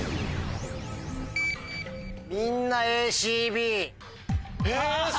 みんなＡＣＢ。